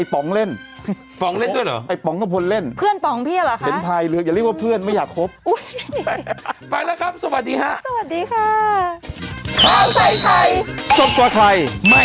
โปรดติดตามตอนต่อไป